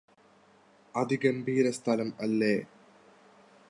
അതിഗംഭീര സ്ഥലം അല്ലേ